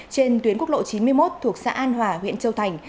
trên tuyến quốc lộ chín mươi một thuộc xã an hòa huyện châu thành